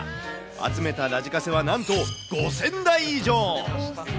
集めたラジカセはなんと５０００台以上。